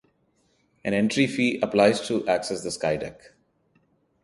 An entry fee applies to access the Skydeck.